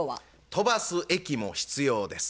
「とばすえき」も必要です。